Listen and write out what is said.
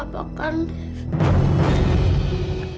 apa kan dev